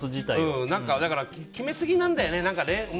だから、決めすぎなんだよね。